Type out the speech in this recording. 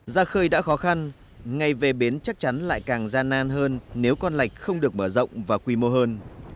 ra khơi đã khó khăn ngay về bến chắc chắn lại càng gian nan hơn nếu con lạch không được mở rộng và quy mô hơn